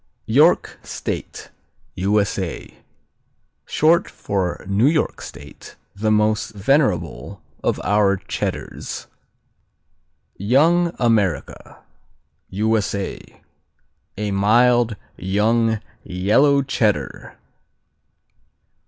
York State U.S.A. Short for New York State, the most venerable of our Cheddars. Young America U.S.A. A mild, young, yellow Cheddar.